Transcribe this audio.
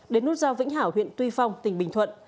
đến nút giao vĩnh hảo huyện tuy phong tỉnh bình thuận